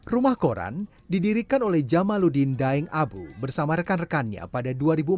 rumah koran didirikan oleh jamaludin daeng abu bersama rekan rekannya pada dua ribu empat